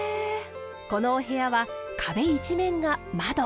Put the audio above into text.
このお部屋は壁一面が窓。